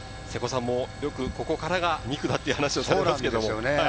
瀬古さんもよくここからが２区だという話をされますね。